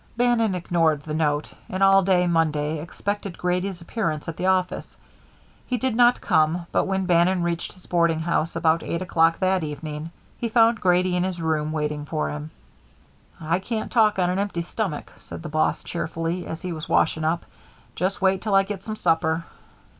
Bannon ignored the note, and all day Monday expected Grady's appearance at the office. He did not come, but when Bannon reached his boarding house about eight o'clock that evening, he found Grady in his room waiting for him. "I can't talk on an empty stomach," said the boss, cheerfully, as he was washing up. "Just wait till I get some supper."